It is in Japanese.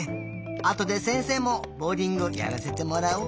あとでせんせいもボウリングやらせてもらおうかな。